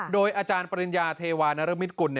โดยอาจารย์ปริญญาเทวานรมิตกุล